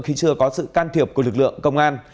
khi chưa có sự can thiệp của lực lượng công an